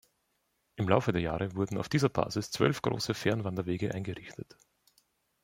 Im Laufe der Jahre wurden auf dieser Basis zwölf große Fernwanderwege eingerichtet.